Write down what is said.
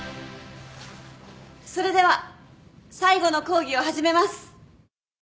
それでは最後の講義を始めます。